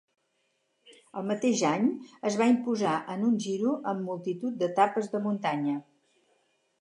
El mateix any es va imposar en un Giro amb multitud d'etapes de muntanya.